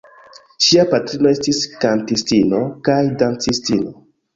Ŝia patrino estis kantistino kaj dancistino.